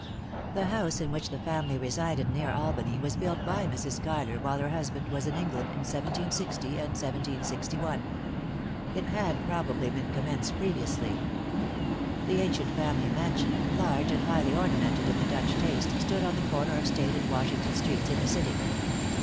The house in which the family resided, near Albany, was built by Mrs. Schuyler, while her husband was in England, in 1760 and 1761. It had, probably, been commenced previously. The ancient family mansion, large and highly ornamented in the Dutch taste, stood on the corner of State and Washington streets, in the city.